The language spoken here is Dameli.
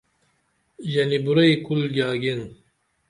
ژنی بُرعئی کُل گیاگین